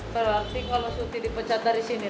berarti kalau suti dipecat dari sini